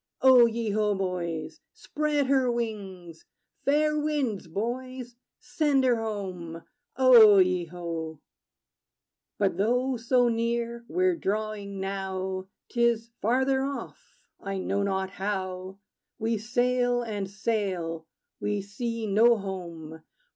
O ye ho, boys! Spread her wings! Fair winds, boys: send her home. O ye ho! But though so near we're drawing, now, 'T is farther off I know not how. We sail and sail: we see no home.